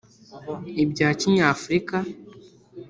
ibya kinyafurika